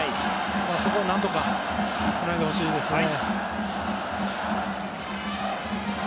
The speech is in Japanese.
そこを何とかつないでほしいですね。